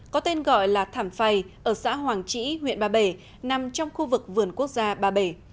có tên gọi là thảm phày ở xã hoàng trĩ huyện ba bể nằm trong khu vực vườn quốc gia ba bể